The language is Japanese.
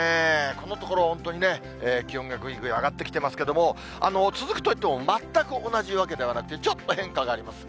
このところ本当にね、気温がぐいぐい上がってきてますけども、続くといっても、全く同じわけではなくて、ちょっと変化があります。